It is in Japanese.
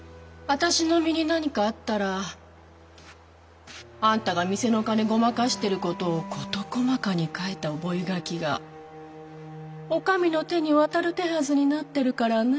私の身に何かあったらあんたが店の金ごまかしてる事を事細かに書いた覚書がお上の手に渡る手はずになってるからね。